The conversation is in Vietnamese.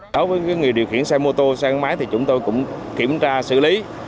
đối với người điều khiển xe mô tô xe gắn máy thì chúng tôi cũng kiểm tra xử lý